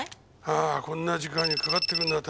ああこんな時間にかかってくるのは大抵。